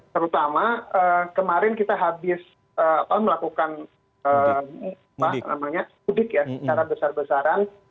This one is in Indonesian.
terutama kemarin kita melakukan kudik secara besar besaran